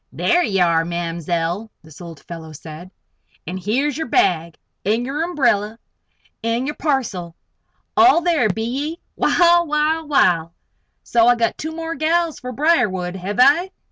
"There ye air, Ma'mzell!" this old fellow said. "An' here's yer bag an' yer umbrella an' yer parcel. All there, be ye? Wal, wal, wal! So I got two more gals fer Briarwood; hev I?"